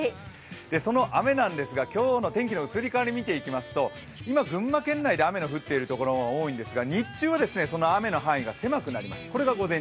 その雨なんですが、今日の天気の移り変わりを見ていきますと、今、群馬県内で雨が降っているところが多いんですが日中はその雨の範囲が狭くなります。